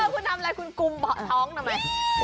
แล้วคุณเริ่มคุณทำอะไรคุณกุมท้องทำไม